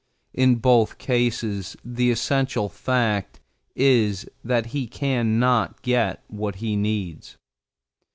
In both cases the essential fact is that he can not get what he needs.